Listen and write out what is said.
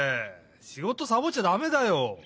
しごとサボっちゃだめだよ。